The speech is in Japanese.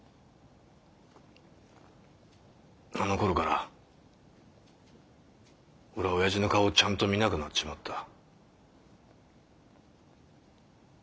あのころから俺は親父の顔をちゃんと見なくなっちまった。